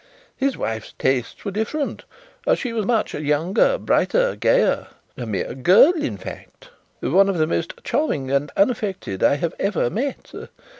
His wife's tastes were different; she was much younger, brighter, gayer; a mere girl in fact, one of the most charming and unaffected I have ever met.